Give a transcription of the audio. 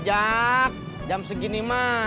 jak jam segini mak